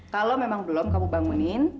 kalau memang belum kamu bangunin